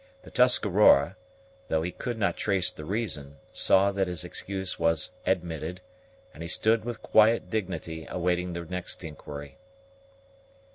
The Tuscarora, though he could not trace the reason, saw that his excuse was admitted, and he stood with quiet dignity awaiting the next inquiry.